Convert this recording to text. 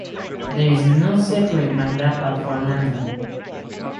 There is no separate mandapa for Nandhi.